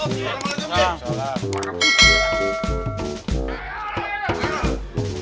assalamualaikum jika malam kalian